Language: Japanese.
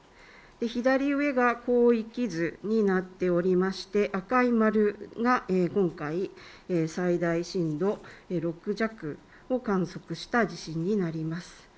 左上が広域図になっておりまして赤い○が今回、最大震度６弱を観測した地震になります。